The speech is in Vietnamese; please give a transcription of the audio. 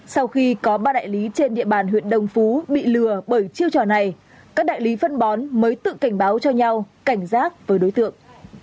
sau khi có ba đại lý trên địa bàn huyện đồng phú bị lừa bởi chiêu trò này các đại lý phân bón mới tự cảnh báo cho nhau cảnh giác với đối tượng